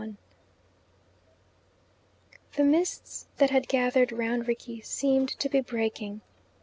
XXI The mists that had gathered round Rickie seemed to be breaking.